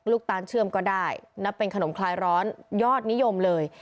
ตาลเชื่อมก็ได้นับเป็นขนมคลายร้อนยอดนิยมเลย